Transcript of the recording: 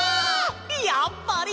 やっぱり！